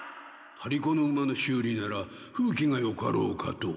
張り子の馬の修理なら風鬼がよかろうかと。